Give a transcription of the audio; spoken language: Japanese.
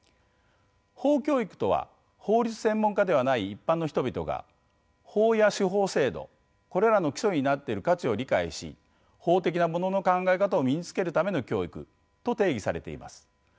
法教育とは「法律専門家ではない一般の人々が法や司法制度これらの基礎になっている価値を理解し法的なものの考え方を身につけるための教育」と定義されています。